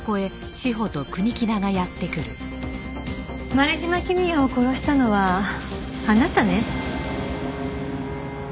前島公也を殺したのはあなたね？